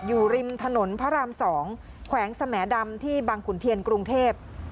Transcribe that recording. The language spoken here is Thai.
อยู่ริมถนนพระราม๒แขวงสมดำที่บางขุนเทียนกรุงเทพ